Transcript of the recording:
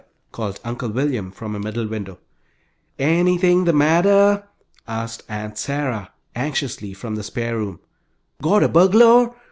called Uncle William, from a middle window. "Anything the matter?" asked Aunt Sarah, anxiously, from the spare room. "Got a burgulor?"